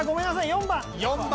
４番。